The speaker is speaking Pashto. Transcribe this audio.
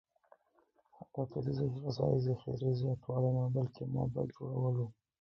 هدف یې د غذایي ذخیرې زیاتوالی نه و، بلکې معبد جوړول و.